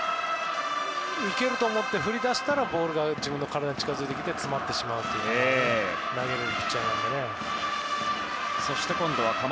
いけると思って振り出したら、ボールが自分の体に近づいてきて詰まってしまうというボールを投げるピッチャーなので。